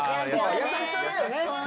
優しさだよね。